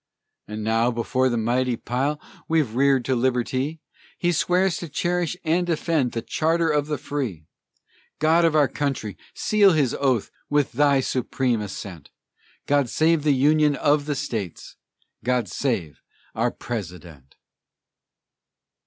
And now, before the mighty pile We've reared to Liberty, He swears to cherish and defend The charter of the free! God of our country! seal his oath With Thy supreme assent. God save the Union of the States! God save our President!